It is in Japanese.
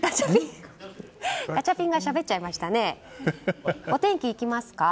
ガチャピンがしゃべっちゃいましたね。